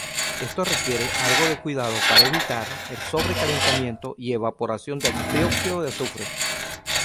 Esto requiere algo de cuidado para evitar sobrecalentamiento y evaporación del trióxido de azufre.